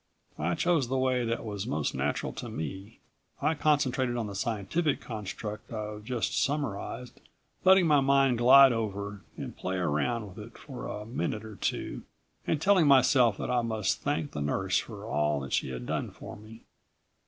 I chose the way that was most natural to me. I concentrated on the scientific construct I've just summarized, letting my mind glide over, and play around with it for a minute or two and telling myself that I must thank the nurse for all that she had done for me.